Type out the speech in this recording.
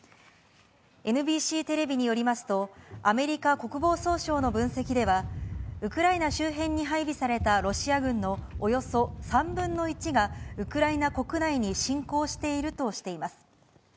ＮＢＣテレビによりますと、アメリカ国防総省の分析では、ウクライナ周辺に配備されたロシア軍のおよそ３分の１が、ウクライナ国内に侵攻しているとしています。